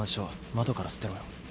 窓から捨てろよ。